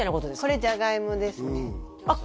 これジャガイモですねあっ